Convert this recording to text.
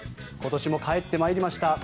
今年も帰ってまいりました